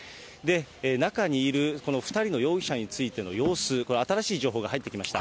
中にいるこの２人の容疑者についての様子、これ、新しい情報が入ってきました。